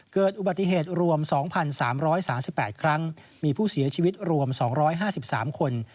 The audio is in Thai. เกิดอุบัติเหตุรวม๒๓๓๘ครั้งมีผู้เสียชีวิตรวม๒๕๓คน